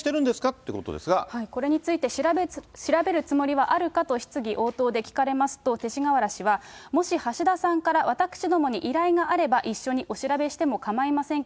っていうことでこれについて、調べるつもりはあるかと質疑応答で聞かれますと、勅使河原氏は、もし橋田さんから私どもに依頼があれば一緒にお調べしても構いません